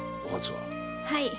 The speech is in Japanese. はい。